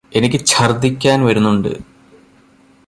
എനിക്ക് ഛര്ദ്ദിക്കാൻ വരുന്നുണ്ട്